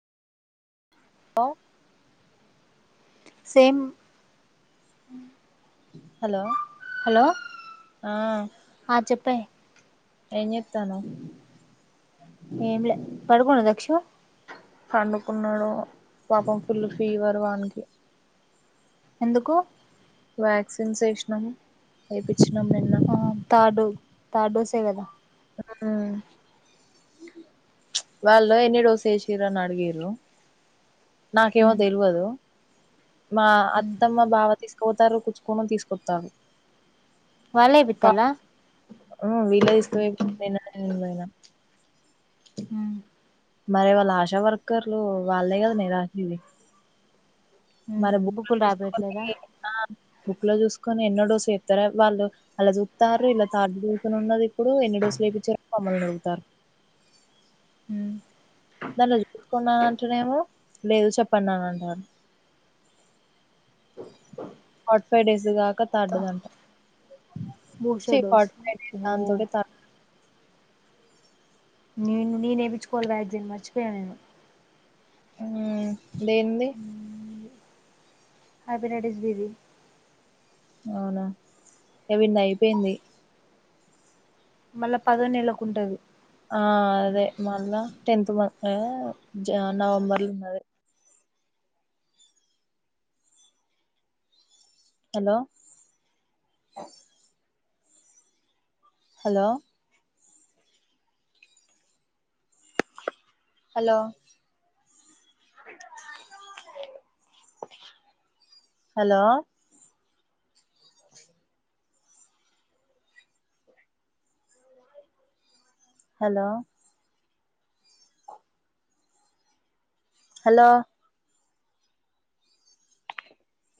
హొ same hello hello ఆ ఆ చెప్పే ఏం చేస్తన్నావ్ ఏం లే పడుకోడ దక్షు పండుకున్నడు పాపం ఫుల్లు ఫీవర్ వానికి ఎందుకు వ్యాక్సిన్స్ వేసినాము వేపిచ్చినం నిన్న టే కదా ఉమ్ వాళ్ళు ఎన్ని డోస్ వేసిర్రు అని అడిగిర్రు నాకేమో ఉమ్ తెలవదు మా ఉమ్ అత్తమ్మ బావ తీస్ పోతారు కుచ్చుకోమని తీసుకొత్తార్రు వాళ్ళే ఆ ఏపిత్తాల్లా వీళ్ళే తీసుకపోయ్ నిన్న నేను పోయిన ఉమ్ మరి వాళ్ళ ఆశా వర్కర్లు వాళ్లే కదా నే రాసేది ఉమ్ మరి బుక్లో బుక్కులు రాపియట్లేదా చూసుకుని ఆ బుక్లో చూసుకో ఎన్నో డోసులు చెప్తారు వాళ్ళు అలా చూతారు ఇలా థర్డ్ డోసుని ఉన్నది ఇప్పుడు ఎన్ని డోసులు వేపించిర్రో మమ్మల్ని అడుగుతారు ఉమ్ దాంట్లో చూసుకున్నాను అంటనేేమో లేదు చెప్పండి అన అంటర్రు ఫార్ట్ ఫైవ్ డేస్ గాక థర్డ్ ది అంట చే booster dose forty five days ఓ దానితోటే తా నేను నేనేేపించుకోవాలి వ్యాక్సిన్ మర్చిపోయా నేను ఊ దేంది హైపరడీస్ బీబీ అవునా ఇగ వింది అయిపోయింది మల్లా పదో నెలకి ఉంటది ఆ అదే మళ్ళా టెన్త్ మం ఆ జ నవంబర్లా ఉన్నది hello hello hello hello hello hello